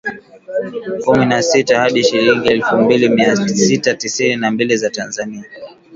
Kumi na sita hadi shilingi elfu mbili Mia sita tisini na mbili za Tanzania